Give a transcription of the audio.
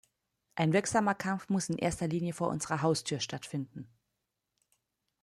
Ein wirksamer Kampf muss in erster Linie vor unserer Haustür stattfinden.